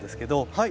はい。